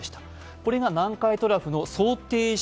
これが南海トラフの想定